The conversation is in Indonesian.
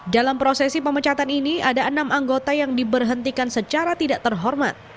dalam prosesi pemecatan ini ada enam anggota yang diberhentikan secara tidak terhormat